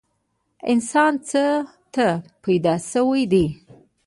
انسان څه ته پیدا شوی دی؟